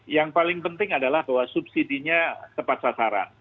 yang paling penting adalah bahwa subsidinya tepat sasaran